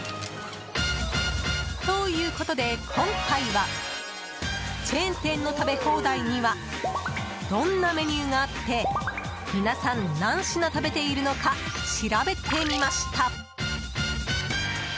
ということで、今回はチェーン店の食べ放題にはどんなメニューがあって皆さん、何品食べているのか調べてみました。